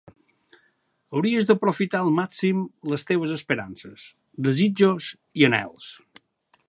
Hauries d'aprofitar al màxim les teves esperances, desitjos i anhels.